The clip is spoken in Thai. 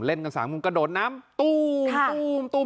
เล่นกัน๓คนกระโดดน้ำตู้มตู้มตู้ม